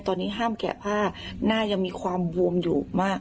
ตอนนี้ห้ามแกะผ้าหน้ายังมีความบวมอยู่มาก